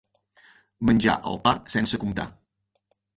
Menjar el pa sense comptar.